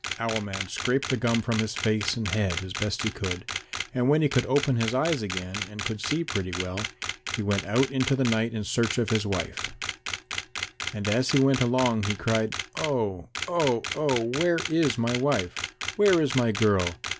Owl man scraped the gum from his face and head as best he could, and when he could open his eyes again and could see pretty well, he went out into the night in search of his wife. And as he went along he cried, "Oh, oh, oh, where is my wife? Where is my girl?